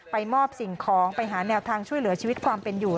มอบสิ่งของไปหาแนวทางช่วยเหลือชีวิตความเป็นอยู่